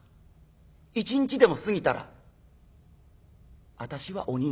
一日でも過ぎたら私は鬼になる。